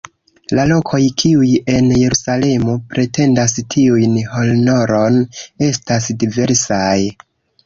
La lokoj kiuj en Jerusalemo pretendas tiun honoron estas diversaj.